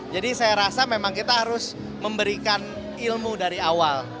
jadi saya rasa memang kita harus memberikan ilmu dari awal